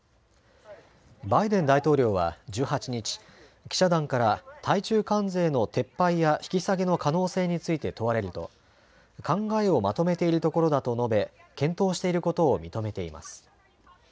バイデン大統領は１８日、記者団から対中関税の撤廃や引き下げの可能性について問われると、考えをまとめているところだと述べ検討していることを認めています。